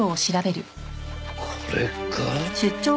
これか？